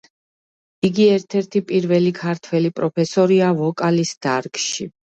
იგი ერთ-ერთი პირველი ქართველი პროფესორია ვოკალის დარგში.